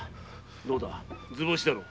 どうだ図星だろう？